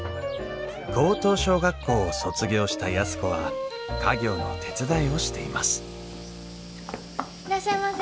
高等小学校を卒業した安子は家業の手伝いをしていますいらっしゃいませ。